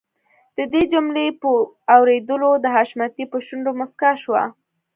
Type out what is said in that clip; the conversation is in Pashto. د دې جملې په اورېدلو د حشمتي په شونډو مسکا شوه.